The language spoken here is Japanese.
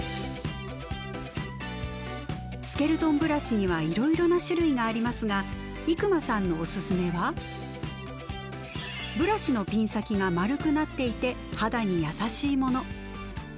スケルトンブラシにはいろいろな種類がありますが伊熊さんのおすすめはブラシのピン先が丸くなっていて肌に優しいもの。